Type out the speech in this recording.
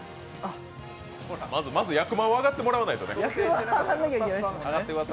まず役満を上がってもらわないと。